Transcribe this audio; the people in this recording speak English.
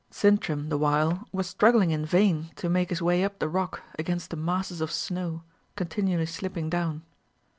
Sintram the while was struggling in vain to make his way up the rock against the masses of snow continually slipping down.